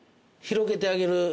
広げてあげる。